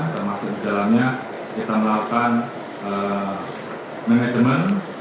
termasuk di dalamnya kita melakukan manajemen